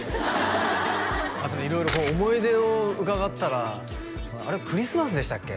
あとね色々思い出を伺ったらあれクリスマスでしたっけ？